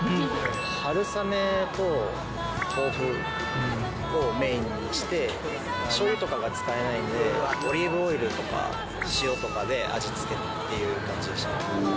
春雨と豆腐をメインにして、しょうゆとかが使えないんで、オリーブオイルとか、塩とかで味付けっていう感じでしたね。